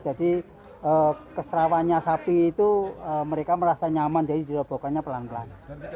jadi keserawannya sapi itu mereka merasa nyaman jadi direbohkannya pelan pelan